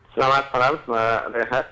selamat malam pak rehat